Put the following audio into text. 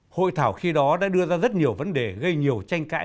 hội thảo khi đó đã đưa ra rất nhiều vấn đề gây nhiều tranh cãi